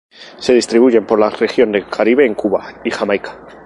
Se distribuyen por la región del Caribe en Cuba y Jamaica.